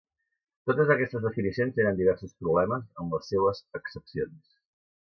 Totes aquestes definicions tenen diversos problemes en les seues accepcions.